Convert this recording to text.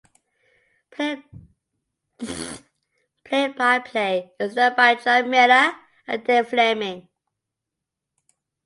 Play-by-play is done by Jon Miller and Dave Flemming.